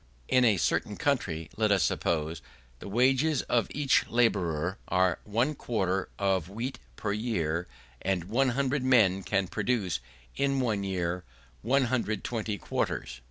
In a certain country, let us suppose, the wages of each labourer are one quarter of wheat per year, and 100 men can produce, in one year, 120 quarters.